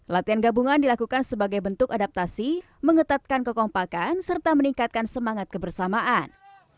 latihan gabungan dilakukan sebagai bentuk adaptasi mengetatkan kekompakan serta meningkatkan semangat kebersamaan